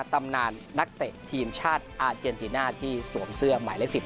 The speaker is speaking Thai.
ตำนานนักเตะทีมชาติอาเจนติน่าที่สวมเสื้อหมายเลข๑๐